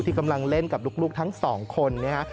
ที่กำลังเล่นกับลูกทั้ง๒คนนะคะ